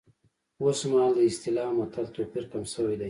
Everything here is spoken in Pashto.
اوس مهال د اصطلاح او متل توپیر کم شوی دی